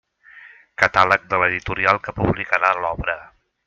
Catàleg de l'editorial que publicarà l'obra.